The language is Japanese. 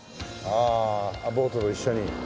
ああボートと一緒に。